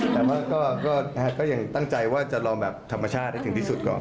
แต่ว่าก็ยังตั้งใจว่าจะลองแบบธรรมชาติให้ถึงที่สุดก่อน